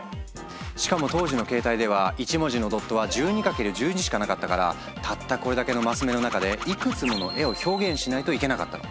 しかも当時のケータイでは１文字のドットは１２×１２しかなかったからたったこれだけの升目の中でいくつもの絵を表現しないといけなかったの。